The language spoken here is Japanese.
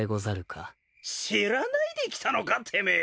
知らないで来たのかてめえ。